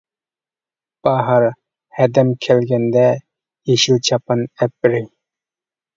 باھار ھەدەم كەلگەندە، يېشىل چاپان ئەپ بېرەي.